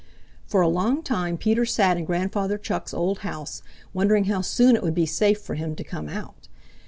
For a long time Peter sat in Grandfather Chuck's old house, wondering how soon it would be safe for him to come out.